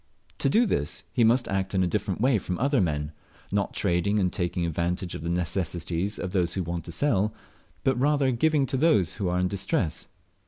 To do this he must act in a different way from other men, not trading and taking advantage of the necessities of those who want to sell, but rather giving to those who are in distress.